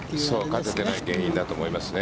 勝ててない原因だと思いますね。